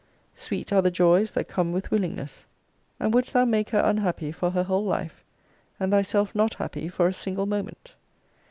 Sweet are the joys that come with willingness. And wouldst thou make her unhappy for her whole life, and thyself not happy for a single moment?